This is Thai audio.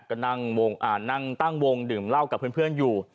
ก็นั่งตั้งวงดื่มเหล้ากับเพื่อนอยู่